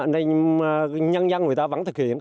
nên nhân dân người ta vẫn thực hiện